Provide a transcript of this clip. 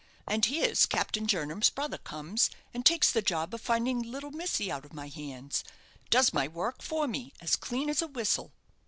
"And here's Captain Jernam's brother comes and takes the job of finding little missy out of my hands does my work for me as clean as a whistle."